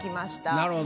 なるほど。